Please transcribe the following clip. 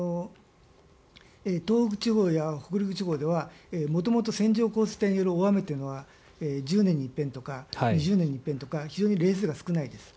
東北地方や北陸地方では元々、線状降水帯による大雨というのは１０年に一遍とか２０年に一遍とか非常に例数が少ないです。